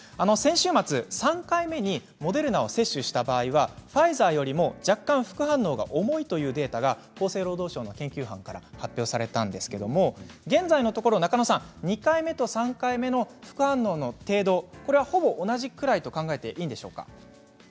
先週末、３回目にモデルナを接種した場合はファイザーよりも若干副反応が重いというデータが厚生労働省の研究班から発表されたんですけれども現在のところ２回目と３回目の副反応の程度ほぼ同じくらいと考えていいんでしょうか？